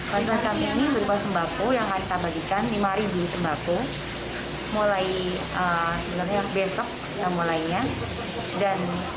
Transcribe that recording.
bantuan kami ini berupa sembako yang harus kita bagikan lima sembako mulai sebenarnya besok kita mulainya dan